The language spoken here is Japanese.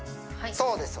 そうです